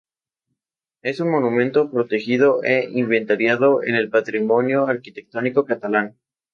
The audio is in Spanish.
Es un monumento protegido e inventariado en el Patrimonio Arquitectónico Catalán.